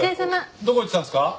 どこ行ってたんですか？